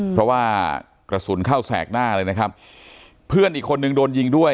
เพราะว่ากระสุนเข้าแสกหน้าเลยนะครับเพื่อนอีกคนนึงโดนยิงด้วย